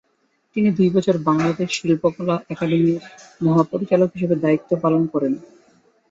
তিনি দুই বছর বাংলাদেশ শিল্পকলা একাডেমির মহাপরিচালক হিসেবে দায়িত্ব পালন করেন।